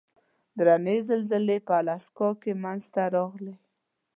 درنې زلزلې په الاسکا کې منځته راغلې.